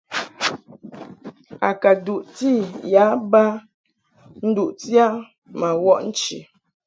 A ka duʼti ya ba nduʼti a ma wɔʼ nchi.